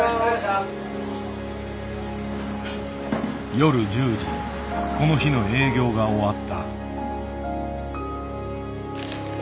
夜１０時この日の営業が終わった。